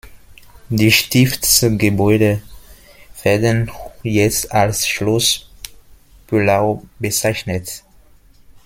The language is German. Die Stiftsgebäude werden jetzt als Schloss Pöllau bezeichnet.